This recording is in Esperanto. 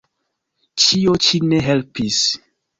Ĉio ĉi ne helpis.